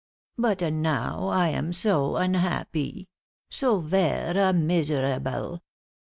But now, I am so unhappy so vera miserable!"